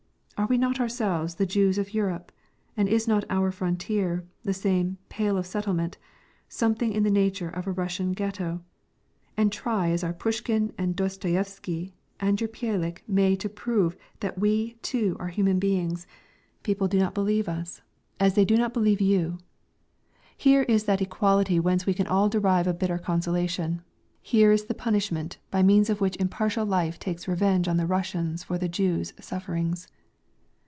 Are we not ourselves the Jews of Europe, and is not our frontier the same "Pale of Settlement" something in the nature of a Russian Ghetto? And try as our Pushkin and Dostoyevsky and your Byalik may to prove that we, too, are human beings, people do not believe us, as they do not believe you: here is that equality whence we all can derive a bitter consolation; here is the punishment by means of which impartial life takes revenge on the Russians for the Jews' sufferings.